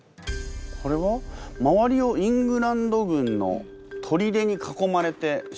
これは周りをイングランド軍のとりでに囲まれてしまっている？